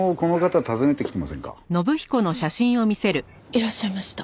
いらっしゃいました。